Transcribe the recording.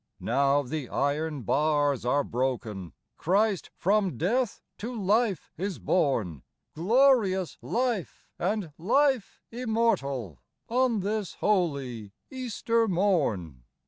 Now the iron bars are broken : Christ from death to life is born, Glorious life and life immortal, On this holy Easter morn.